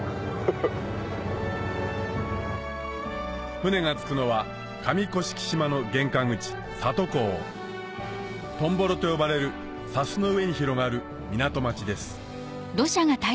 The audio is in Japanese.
船が着くのは上甑島の玄関口里港トンボロと呼ばれる砂州の上に広がる港町です